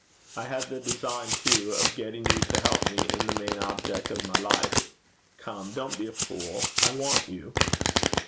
I had the design too of getting you to help me in the main object of my life. Come, don't be a fool. I want you.'